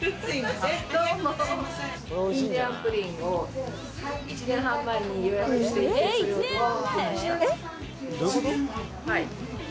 インディアンプリンを１年半前に予約していて、それを取りに来ました。